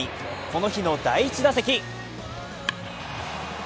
この日の第１打席。